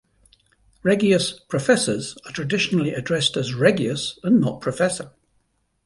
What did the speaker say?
Regius professors are traditionally addressed as "Regius" and not "Professor".